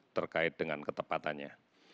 terkait dengan ketepatannya